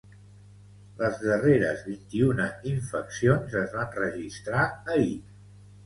Les darreres vint-i-una infeccions es van registrar ahir.